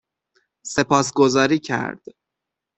سپاسگزاری کرد